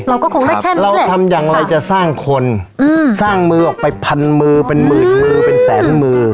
เราก็คงไม่แค่นั้นเราทำอย่างไรจะสร้างคนอืมสร้างมือออกไปพันมือเป็นหมื่นมือเป็นแสนมือ